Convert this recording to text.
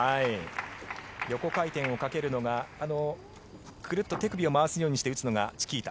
横回転をかけるのがクルッと手首を回すようにして打つのがチキータ。